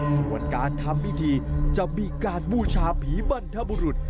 ส่วนการทำพิธีจะมีการบูชาผีบรรทบุรุษ